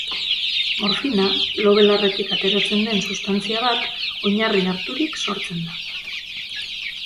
Morfina, lo-belarretik ateratzen den sustantzia bat, oinarri harturik sortzen da.